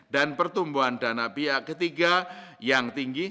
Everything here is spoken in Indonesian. dan pertumbuhan dana pihak ketiga yang tinggi